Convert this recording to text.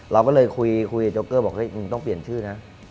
เราก็เลยคุยกับโจ๊เกอร์บอกเฮ้มึงต้องเปลี่ยนชื่อนะ